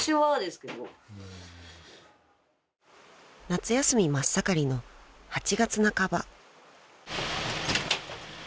［夏休み真っ盛りの８月半ば］